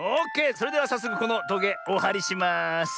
それではさっそくこのトゲおはりします。